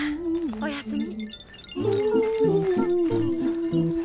おやすみ。